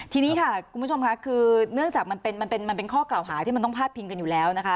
ทีนี้ค่ะคุณผู้ชมค่ะคือเนื่องจากมันเป็นข้อกล่าวหาที่มันต้องพาดพิงกันอยู่แล้วนะคะ